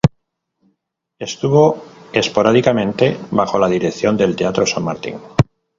Estuvo esporádicamente bajo la dirección del teatro San Martín.